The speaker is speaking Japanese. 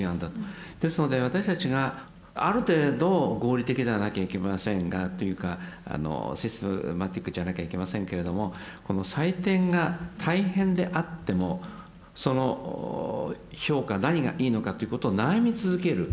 ですので私たちがある程度合理的ではなきゃいけませんがというかシステマチックじゃなきゃいけませんけれどもこの採点が大変であってもその評価何がいいのかということを悩み続ける。